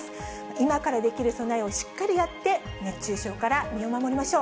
今からできる備えをしっかりやって、熱中症から身を守りましょう。